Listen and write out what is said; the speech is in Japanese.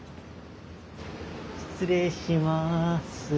失礼します。